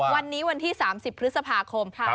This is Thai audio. วันนี้วันที่๓๐พฤษภาคม